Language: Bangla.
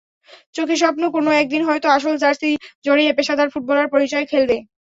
চোখে স্বপ্ন, কোনো একদিন হয়তো আসল জার্সি জড়িয়ে পেশাদার ফুটবলার পরিচয়ে খেলবে।